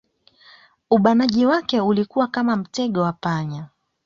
Ubanaji wake ulikuwa kama mtego wa panya